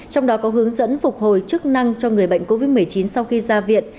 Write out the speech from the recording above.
trong đó có hướng dẫn phục hồi chức năng cho người bệnh covid một mươi chín sau khi ra viện